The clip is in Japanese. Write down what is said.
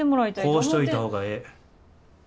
こうしといた方がええ。